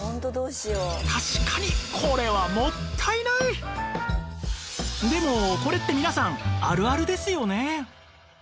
確かにこれはでもこれって皆さんあるあるですよね